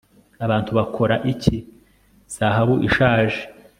abantu bakora iki zahabu ishaje